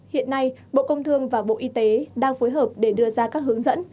hiện nay bộ công thương và bộ y tế đang phối hợp để đưa ra các hướng dẫn